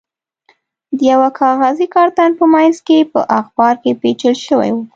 د یوه کاغذي کارتن په منځ کې په اخبار کې پېچل شوی و.